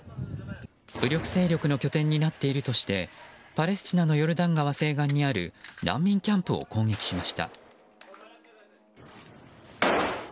武装勢力の拠点になっているとしてパレスチナのヨルダン川西岸にある難民キャンプを攻撃しました。